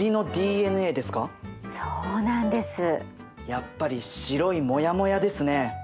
やっぱり白いモヤモヤですね。